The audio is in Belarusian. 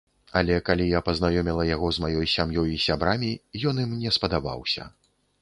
Але калі я пазнаёміла яго з маёй сям'ёй і сябрамі, ім ён не спадабаўся.